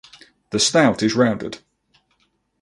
The snout is rounded.